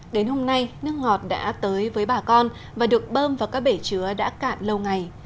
đến hôm nay nước ngọt đã tới với bà con và được bơm vào các bể chứa đã cạn lâu ngày